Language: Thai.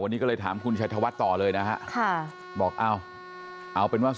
แบบนี้ครับขอบคุณครับขอบคุณครับขอบคุณครับ